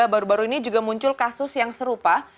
baru baru ini juga muncul kasus yang serupa